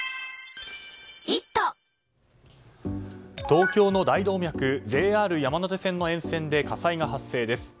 東京の大動脈ＪＲ山手線の沿線で火災が発生です。